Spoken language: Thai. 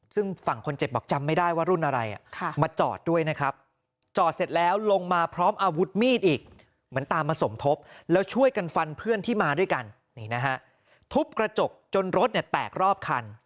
ซึ่งฝั่งคนเจ็บบอกจำไม่ได้ว่ารุ่นอะไรมาจอดด้วยนะครับ